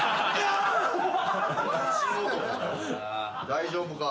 大丈夫か？